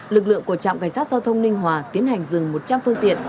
lực lượng của trạm cảnh sát giao thông ninh hòa tiến hành dừng một trăm linh phương tiện